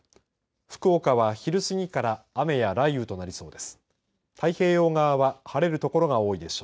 福岡は昼過ぎから雨や雷雨となりそうです。